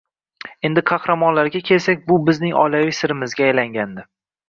Endi qahramonlarga kelsak, bu bizning oilaviy sirimizga aylangandi